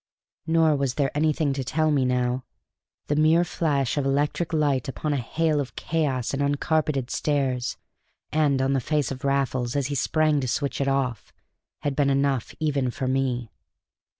Nor was there anything to tell me now. The mere flash of electric light upon a hail of chaos and uncarpeted stairs, and on the face of Raffles as he sprang to switch it off, had been enough even for me.